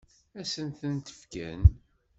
Ad sen-ten-fken?